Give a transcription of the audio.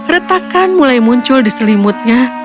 retakan mulai muncul di selimutnya